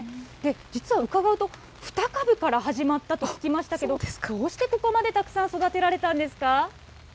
実は伺うと、２株から始まったと聞きましたけど、どうしてここまでたくさん育てられたんですか？